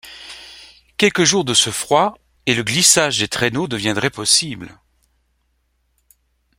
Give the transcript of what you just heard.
Quelques jours de ce froid, et le glissage des traîneaux deviendrait possible.